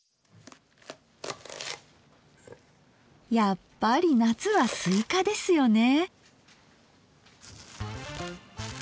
やっぱり夏はスイカですよね。